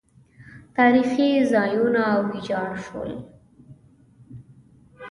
تاریخي ځایونه ویجاړ شول